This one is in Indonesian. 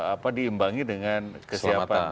apa diimbangi dengan keselamatannya